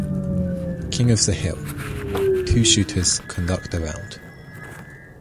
King of the Hill: Two shooters conduct a round.